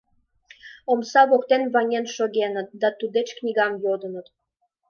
Омса воктен ваҥен шогеныт да туддеч книгам йодыныт.